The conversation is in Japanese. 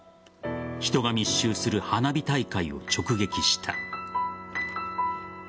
人が密集する花火大会を直撃した。